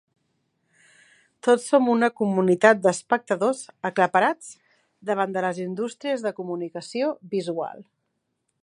Tots som una comunitat d'espectadors aclaparats davant de les indústries de comunicació visual.